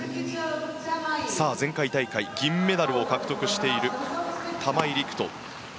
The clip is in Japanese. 前回大会銀メダルを獲得している玉井陸斗。